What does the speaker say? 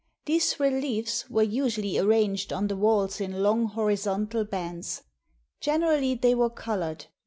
These reliefs were usually arranged on the walls in long horizontal bands. Generally they were colored.